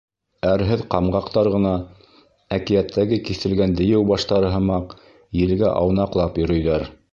Әрһеҙ ҡамғаҡтар ғына, әкиәттәге киҫелгән дейеү баштары һымаҡ, елгә аунаҡлап йөрөйҙәр.